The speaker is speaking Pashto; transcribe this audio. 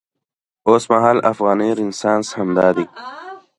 اوسمهالی افغاني رنسانس همدا دی.